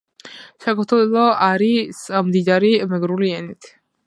საქართველო არი მდიდარი მეგრული ენით.